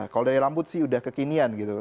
kalau dari rambut sih sudah kekinian